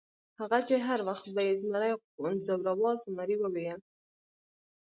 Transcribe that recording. هغه چې هر وخت به یې زمري ځوراوه، زمري وویل.